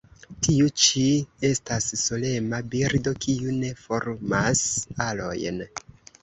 Tiu ĉi estas solema birdo kiu ne formas arojn.